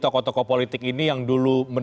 toko toko politik ini yang dulu